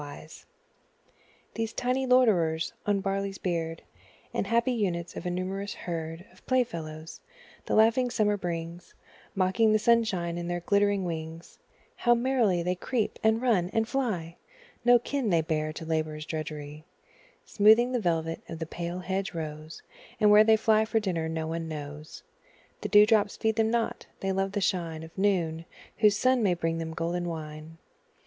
Insects These tiny loiterers on the barley's beard, And happy units of a numerous herd Of playfellows, the laughing Summer brings, Mocking the sunshine in their glittering wings, How merrily they creep, and run, and fly! No kin they bear to labour's drudgery, Smoothing the velvet of the pale hedge rose; And where they fly for dinner no one knows The dew drops feed them not they love the shine Of noon, whose sun may bring them golden wine.